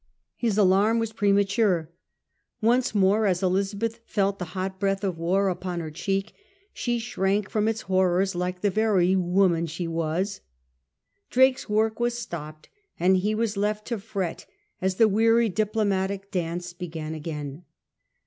His alarm was premature. Once more as Elizabeth felt the hot breath of war upon her cheek she shrank from its horrors like the very woman she was. Drake's work was stopped, and he was left to fret as the weary diplo matic dance began again.